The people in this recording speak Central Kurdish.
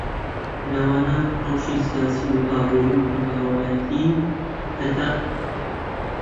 لەوانە ڕەوشی سیاسی و ئابووری و فەرمانڕەوایەتی و هتد